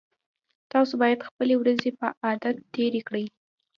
تاسو باید خپلې ورځې په عبادت تیرې کړئ